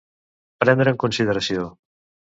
Prendre en consideració.